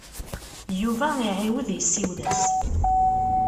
Yuba iɛiwed yessiwel-as.